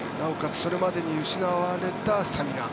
それまでに失われたスタミナ。